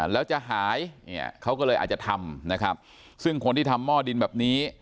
แล้วจะหายเค้าก็เลยอาจจะทำซึ่งคนที่ทำหม้อดินแบบนี้